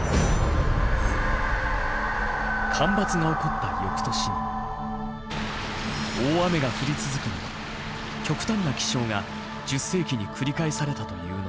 干ばつが起こった翌年に大雨が降り続くなど極端な気象が１０世紀に繰り返されたというのだ。